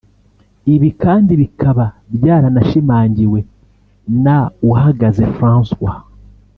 Ibi kandi bikaba byaranashimangiwe na Uhagaze Francois